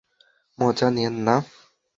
মজা নিয়েন না।